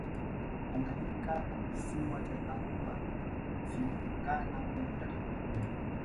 tanganyika na kisiwa cha zanzibar ziliungana kuunda tanzania